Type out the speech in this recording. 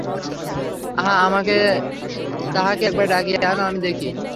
আহা, তাহাকে একবার ডাকিয়া আনো, আমি দেখি।